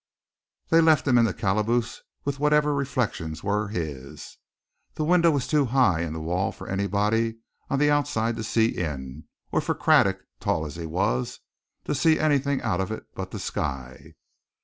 They left him in the calaboose with whatever reflections were his. The window was too high in the wall for anybody on the outside to see in, or for Craddock, tall as he was, to see anything out of it but the sky.